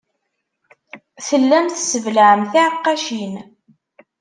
Tellam tesseblaɛem tiɛeqqacin.